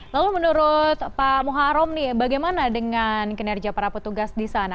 lalu menurut pak muharrem nih bagaimana dengan kinerja para petugas di sana